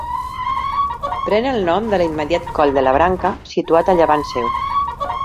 Pren el nom de l'immediat Coll de la Branca, situat a llevant seu.